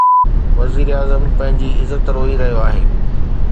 وزيراعظم پنهنجي عزت روئي رهيو آهي.